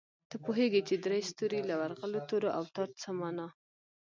ته پوهېږې چې درې ستوري، له ورغلو تورو او تاج څه مانا؟